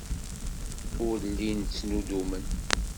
Ur llin ttnuddumen.